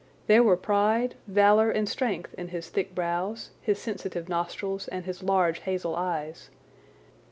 There were pride, valour, and strength in his thick brows, his sensitive nostrils, and his large hazel eyes.